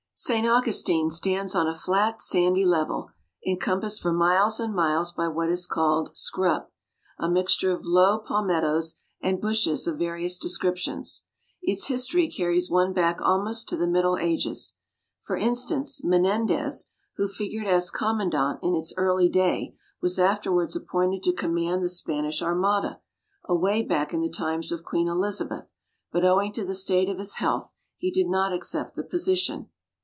St. Augustine stands on a flat, sandy level, encompassed for miles and miles by what is called "scrub," a mixture of low palmettoes and bushes of various descriptions. Its history carries one back almost to the middle ages. For instance, Menendez, who figured as commandant in its early day, was afterwards appointed to command the Spanish Armada, away back in the times of Queen Elizabeth; but, owing to the state of his health, he did not accept the position.